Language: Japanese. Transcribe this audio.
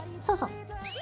そうそう。